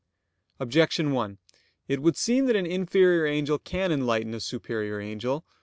Objection 1: It would seem that an inferior angel can enlighten a superior angel.